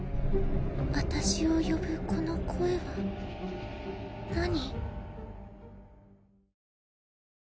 私を呼ぶこの声は何？